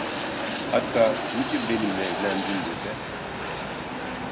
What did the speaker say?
Hatta: "Niçin benimle evlendin?" dese...